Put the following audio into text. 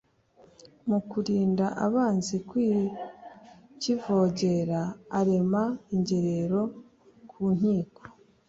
Mu krinda abanzi kukivogera arema ingerero ku nkiko